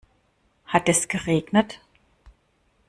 Hat es geregnet?